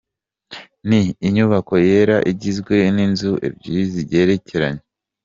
Ni inyubako yera igizwe n’inzu ebyiri zigerekeranye.